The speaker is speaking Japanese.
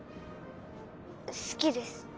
好きです。